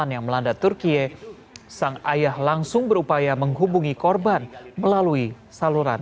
yang melanda turkiye sang ayah langsung berupaya menghubungi korban melalui saluran